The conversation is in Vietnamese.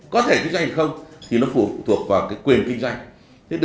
có thể kinh doanh hay không thì nó phụ thuộc vào quyền kinh doanh